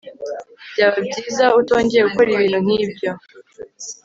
Byaba byiza utongeye gukora ibintu nkibyo